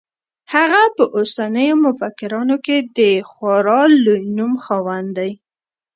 هغه په اوسنیو مفکرانو کې د خورا لوی نوم خاوند دی.